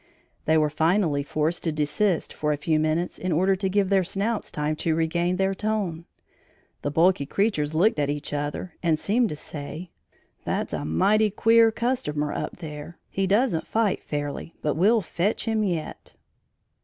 They were finally forced to desist for a few minutes in order to give their snouts time to regain their tone. The bulky creatures looked at each other and seemed to say, "That's a mighty queer customer up there; he doesn't fight fairly, but we'll fetch him yet."